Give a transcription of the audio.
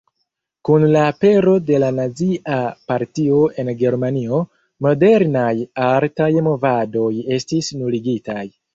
Kun la apero de la Nazia Partio en Germanio, modernaj artaj movadoj estis nuligitaj.